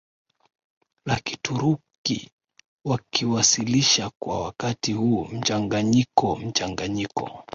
la Kituruki wakiwasilisha kwa wakati huu mchanganyiko mchanganyiko